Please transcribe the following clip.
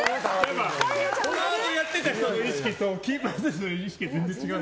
フォワードやってた人の意識とキーパーの人の意識が全然違う。